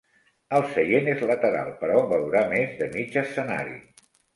El seient és lateral, però veurà més de mig escenari.